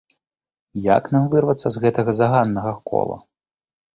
Як нам вырвацца з гэтага заганнага кола?